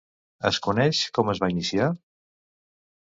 Es coneix com es va iniciar?